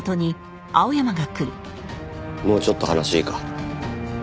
もうちょっと話いいか？